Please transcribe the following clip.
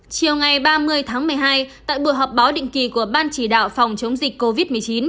chiều ngày ba mươi tháng một mươi hai tại buổi họp báo định kỳ của ban chỉ đạo phòng chống dịch covid một mươi chín